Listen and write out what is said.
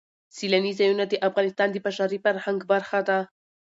سیلاني ځایونه د افغانستان د بشري فرهنګ برخه ده.